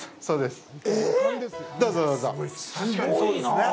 そうです。